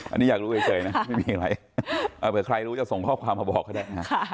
อันนี้อยากรู้เฉยนะไม่มีอะไรเผื่อใครรู้จะส่งข้อความมาบอกเขาได้นะฮะ